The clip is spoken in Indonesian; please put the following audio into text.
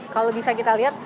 kalau bisa kita lihat